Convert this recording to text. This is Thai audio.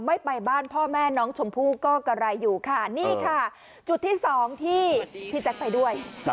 ไม่ไปบ้านพ่อแม่น้องชมพู่ก็กะไรอยู่ค่ะนี่ค่ะจุดที่สองที่พี่แจ๊คไปด้วย